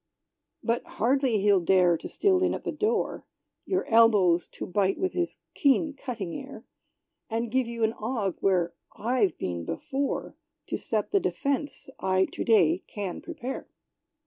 But hardly he'll dare to steal in at the door, Your elbows to bite with his keen cutting air, And give you an ague, where I've been before, To set the defence I to day can prepare.